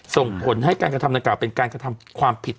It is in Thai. ส่งผลให้การกระทำดังกล่าเป็นการกระทำความผิด